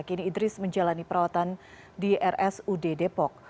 kini idris menjalani perawatan di rsud depok